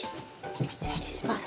お水やりします。